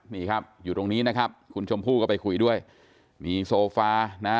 นี่ครับอยู่ตรงนี้นะครับคุณชมพู่ก็ไปคุยด้วยมีโซฟานะฮะ